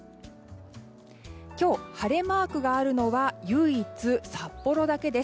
今日、晴れマークがあるのは唯一、札幌だけです。